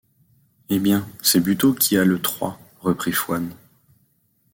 Eh bien ! c’est Buteau qui a le trois, reprit Fouan.